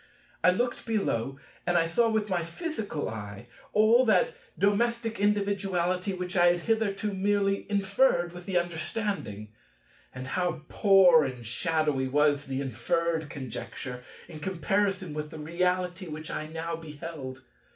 I looked below, and saw with my physical eye all that domestic individuality which I had hitherto merely inferred with the understanding. And how poor and shadowy was the inferred conjecture in comparison with the reality which I now behold!